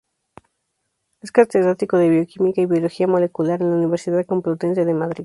Es catedrático de Bioquímica y Biología Molecular en la Universidad Complutense de Madrid.